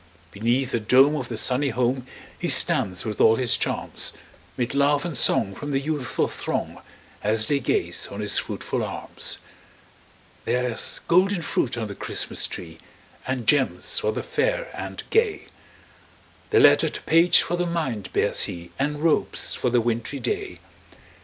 Beneath the dome of the sunny home, He stands with all his charms; 'Mid laugh and song from the youthful throng, As they gaze on his fruitful arms. There's golden fruit on the Christmas tree, And gems for the fair and gay; The lettered page for the mind bears he, And robes for the wintry day.